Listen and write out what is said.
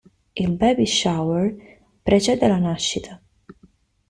Il "baby shower" precede la nascita.